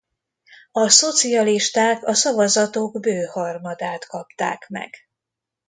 A szocialisták a szavazatok bő harmadát kapták meg.